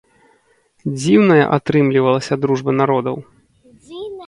Дзіўная атрымлівалася дружба народаў!